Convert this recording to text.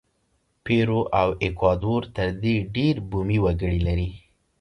پیرو او ایکوادور تر دې ډېر بومي وګړي لري.